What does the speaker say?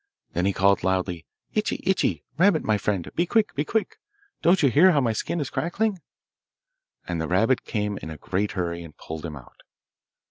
Then he called loudly 'Itchi, Itchi! Rabbit, my friend, be quick, be quick! Don't you hear how my skin is crackling?' And the rabbit came in a great hurry and pulled him out.